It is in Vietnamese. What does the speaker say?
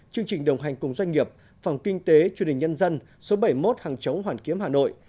chương trình đồng hành cùng doanh nghiệp phòng kinh tế truyền hình nhân dân số bảy mươi một hàng chống hoàn kiếm hà nội